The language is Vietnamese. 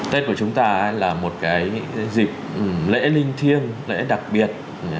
tết của chúng ta là một dịp lễ linh thiêng lễ đặc biệt